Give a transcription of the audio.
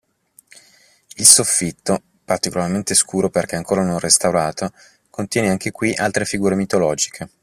Il soffitto, particolarmente scuro perché ancora non restaurato, contiene anche qui altre figure mitologiche.